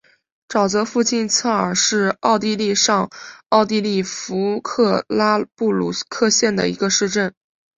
沼泽附近策尔是奥地利上奥地利州弗克拉布鲁克县的一个市镇。